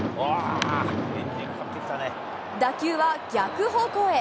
打球は逆方向へ。